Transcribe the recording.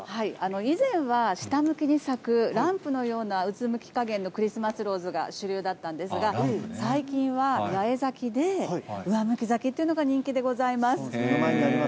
以前は下向きに咲くランプのようなうつむきかげんのクリスマスローズが主流だったんですが、最近は八重咲きで、上向き咲きというのが人気でございます。